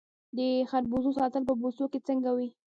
د خربوزو ساتل په بوسو کې څنګه وي؟